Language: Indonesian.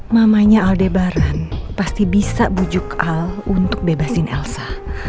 mamanya aldebaran pasti bisa bujuk al untuk bebasin elsa